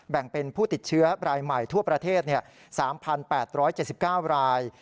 แบ่งเป็นผู้ติดเชื้อรายใหม่ทั่วประเทศ๓๘๗๙ราย